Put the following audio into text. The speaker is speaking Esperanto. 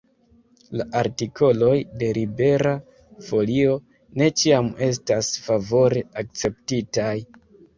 La artikoloj de Libera Folio ne ĉiam estas favore akceptitaj.